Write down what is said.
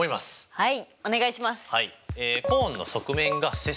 はい。